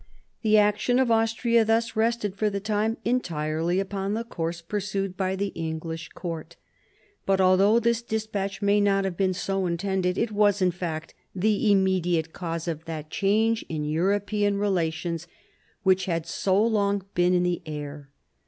The action of Austria thus rested for the time entirely upon the course pursued by the English court. But although this despatch may not have been so intended, it was in fact the immediate cause of that change in European relations which had so long been in the air.